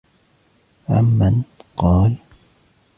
عَمَّنْ ؟ قَالَ